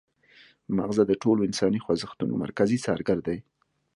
مغزه د ټولو انساني خوځښتونو مرکزي څارګر دي